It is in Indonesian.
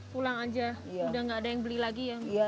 pulang aja udah gak ada yang beli lagi ya